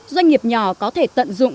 doanh nghiệp nhỏ có thể tận dụng